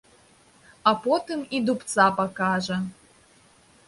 А потым і дубца пакажа.